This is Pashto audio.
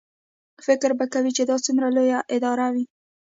فکر به کوې چې دا څومره لویه اداره وي.